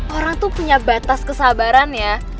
orang tuh punya batas kesabaran ya